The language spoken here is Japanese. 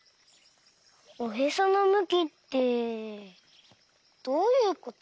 おへそのむきってどういうこと？